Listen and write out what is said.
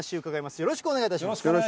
よろしくお願いします。